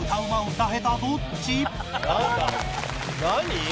何？